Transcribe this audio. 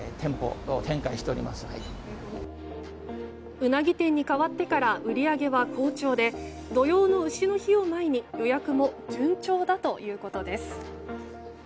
うなぎ店に変わってから売り上げは好調で土用の丑の日を前に予約も順調だということです。